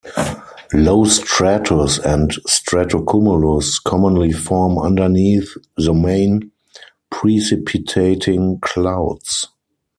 Low stratus and stratocumulus commonly form underneath the main precipitating clouds.